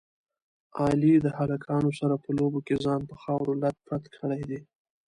علي د هلکانو سره په لوبو کې ځان په خاورو لت پت کړی دی.